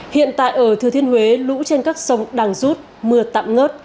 hiện tại ở thừa thiên huế lũ trên các sông đang rút mưa tạm ngớt